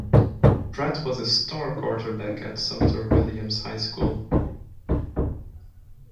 Pratt was a star quarterback at Sumpter Williams High School.